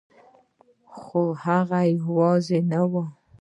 خو هغه یوازې نه وه